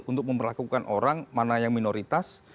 untuk memperlakukan orang mana yang minoritas